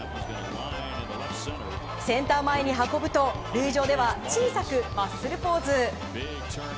センター前に運ぶと塁上では小さくマッスルポーズ。